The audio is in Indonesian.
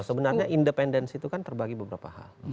sebenarnya independensi itu kan terbagi beberapa hal